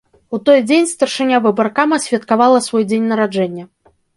У той дзень старшыня выбаркама святкавала свой дзень нараджэння.